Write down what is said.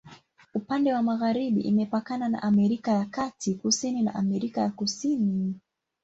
Upande wa magharibi imepakana na Amerika ya Kati, kusini na Amerika ya Kusini.